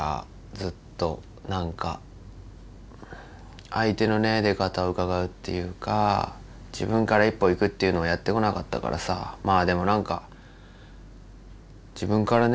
ずっと何か相手のね出方をうかがうっていうか自分から一歩行くっていうのをやってこなかったからさまあでも何か自分からね